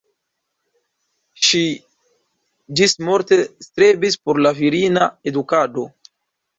Ŝi ĝismorte strebis por la virina edukado.